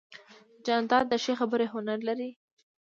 جانداد د ښې خبرې هنر لري.